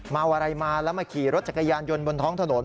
เมาอะไรมาแล้วมาขี่รถจักรยานยนต์บนท้องถนน